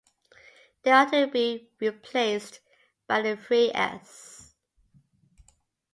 They are to be replaced by the three s.